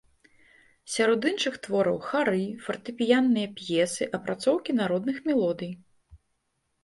Сярод іншых твораў хары, фартэпіянныя п'есы, апрацоўкі народных мелодый.